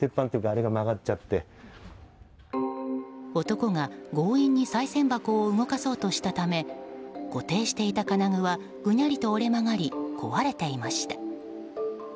男が強引にさい銭箱を動かそうとしたため固定していた金具は、ぐにゃりと折れ曲がり壊れていました。